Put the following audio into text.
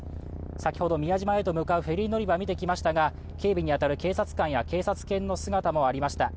先ほど、宮島へと向かうフェリー乗り場を見てきましたが、警備に当たる警察官や警察犬の姿もありました。